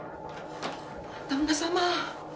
旦那様。